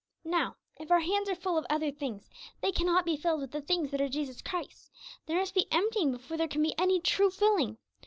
Now, if our hands are full of 'other things,' they cannot be filled with 'the things that are Jesus Christ's'; there must be emptying before there can be any true filling.